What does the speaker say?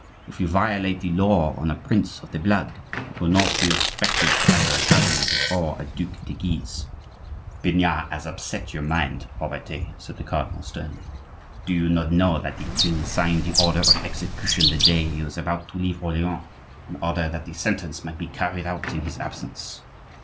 If you violate the law on a prince of the blood, it will not be respected for either a cardinal or a Duc de Guise." "Pinard has upset your mind, Robertet," said the cardinal, sternly. "Do you not know that the king signed the order of execution the day he was about to leave Orleans, in order that the sentence might be carried out in his absence?"